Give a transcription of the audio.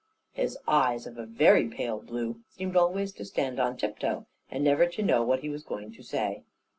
His eyes, of a very pale blue, seemed always to stand on tip toe, and never to know what he was going to say.